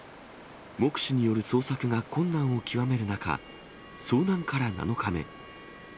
目視による捜索が困難を極める中、遭難から７日目。